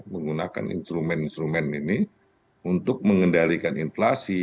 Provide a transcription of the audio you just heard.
menggunakan instrumen instrumen ini untuk mengendalikan inflasi